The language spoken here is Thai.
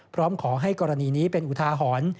พร้อมขอให้กรณีนี้เป็นอุทาหรณ์